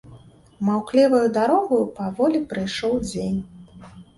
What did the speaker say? Маўкліваю дарогаю паволі прыйшоў дзень.